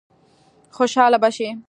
خوشاله به شي.